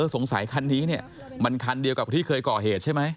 สงสัยคันนี้มันคันเดียวกับที่เคยก่อเหตุใช่ไหม